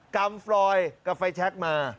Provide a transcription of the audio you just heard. กำฟรอยกับไฟแชคมา